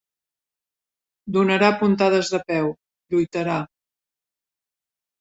Donarà puntades de peu, lluitarà.